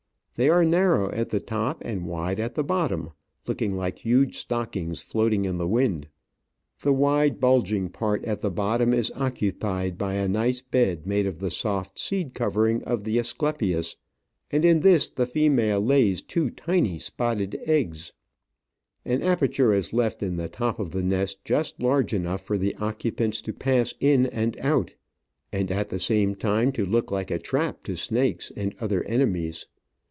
They are narrow at the top and wide at the bottom, looking like huge stockings floating in the wind ; the wide, bulging part at the bottom is occupied by a nice bed made of the soft seed covering of the Asclepias, and in this the female lays two tiny spotted eggs ; an aperture is left in the top of the nest just large enough for the occupants to pass in and out, and at the same time to look like a trap to snakes and other enemies.